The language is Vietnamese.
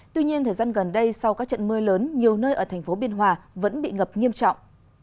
tuy nhiên thời gian gần đây sau các trận mưa lớn nhiều nơi ở thành phố biên hòa vẫn bị ngập nghiêm trọng